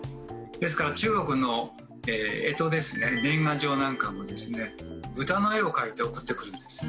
ですから中国の干支ですね年賀状なんかもですね豚の絵を描いて送ってくるんです。